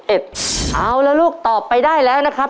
เอาละลูกตอบไปได้แล้วนะครับ